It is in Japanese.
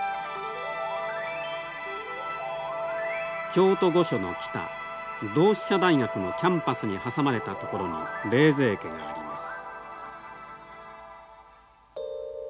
京都御所の北同志社大学のキャンパスに挟まれた所に冷泉家があります。